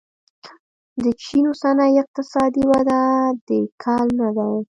د چین اوسنۍ اقتصادي وده د کل نه دی.